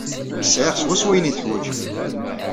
Sɛiɣ swaswa ayen ay teḥwajem.